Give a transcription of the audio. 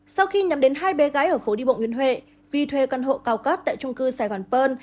sau khi nhắm đến hai bé gái ở phố đi bộ nguyễn huệ vi thuê căn hộ cao cấp tại trung cư sài gòn pơn